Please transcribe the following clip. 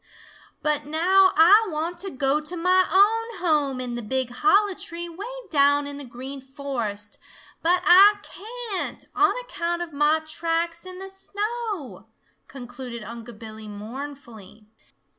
"But now Ah want to go to mah own home in the big hollow tree way down in the Green Forest, but Ah can't, on account of mah tracks in the snow," concluded Unc' Billy mournfully.